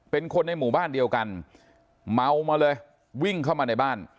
เป็นคนในหมู่บ้านเดียวกันเมามาเลยวิ่งเข้ามาในบ้าน